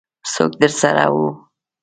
څوک درسره وو؟